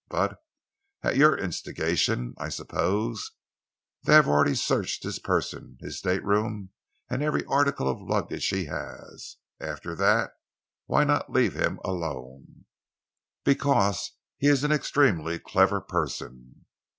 But at your instigation, I suppose they have already searched his person, his stateroom, and every article of luggage he has. After that, why not leave him alone?" "Because he is an extremely clever person."